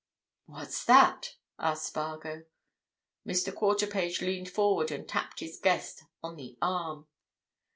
"What's that?" asked Spargo. Mr. Quarterpage leaned forward and tapped his guest on the arm.